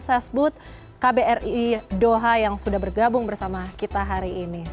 sasbud kbri doha yang sudah bergabung bersama kita hari ini